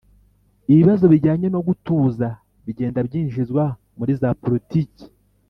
ibibazo bijyanye no gutuza bigenda byinjizwa muri za politiki